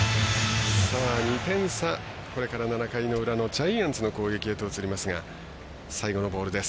２点差、これから７回の裏のジャイアンツの攻撃へと移りますが、最後のボールです。